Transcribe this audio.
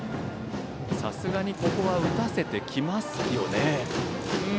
さすがに、ここは打たせてきますよね？